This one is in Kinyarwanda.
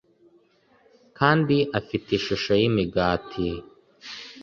kandi afite ishusho y’imigati